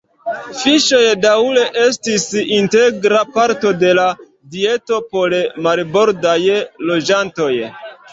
Fiŝoj daŭre estis integra parto de la dieto por marbordaj loĝantoj.